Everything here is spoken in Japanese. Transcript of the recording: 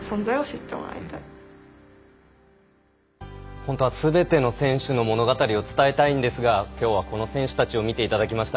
本当はすべての選手の物語を伝えたいんですがきょうはこの選手たちを見ていただきました。